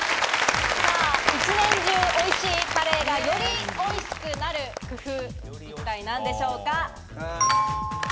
一年中おいしいカレーがより美味しくなる工夫、一体何でしょうか？